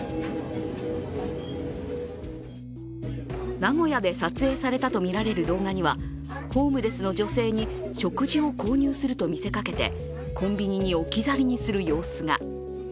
名古屋で撮影されたとみられる動画には、ホームレスの女性に食事を購入すると見せかけてコンビニに置き去りにする様子が。